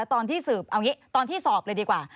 ตอนที่สืบเอางี้ตอนที่สอบเลยดีกว่า